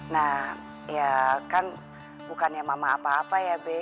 nah ya kan bukannya mama apa apa ya b